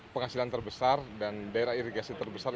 penghasilan terbesar dan daerah irigasi terbesar